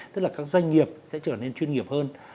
tức là các doanh nghiệp sẽ trở nên chuyên nghiệp hơn